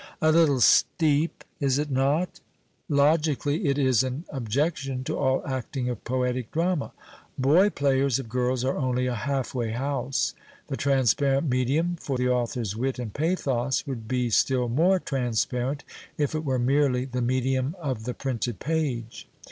"' A little " steep," is it not ? Logically it is an objection to all acting of poetic drama. Boy players of girls are only a half way house. The transparent medium for the author's wit and pathos would be still more transparent if it were merely the medium of the ])rinted page.